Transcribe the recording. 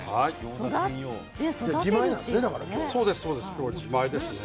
今日は自前ですね。